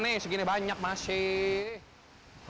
nih segini banyak masih